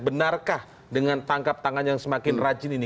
benarkah dengan tangkap tangan yang semakin rajin ini